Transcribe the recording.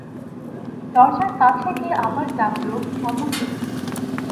দরজার কাছে গিয়ে আবার ডাকলুম, অমূল্য!